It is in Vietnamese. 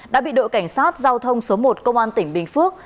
đã bị đội cảnh sát giao thông số một công an tỉnh bình phước